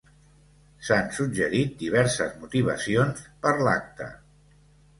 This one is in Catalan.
S'han suggerit diverses motivacions per l'acte.